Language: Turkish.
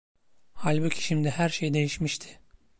Halbuki şimdi her şey değişmişti.